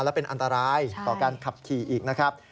และเป็นอันตรายต่อการขับขี่อีกนะครับ